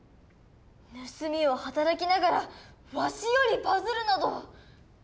盗みを働きながらわしよりバズるなど。